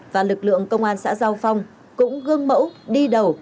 và lực lượng công an xã giao phong cũng gương mẫu đi đầu